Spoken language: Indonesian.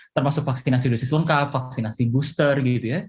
termasuk vaksinasi dosis lengkap vaksinasi booster gitu ya